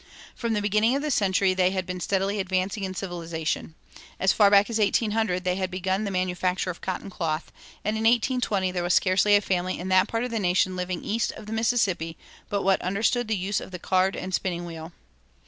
From the beginning of the century they had been steadily advancing in civilization. As far back as 1800 they had begun the manufacture of cotton cloth, and in 1820 there was scarcely a family in that part of the nation living east of the Mississippi but what understood the use of the card and spinning wheel.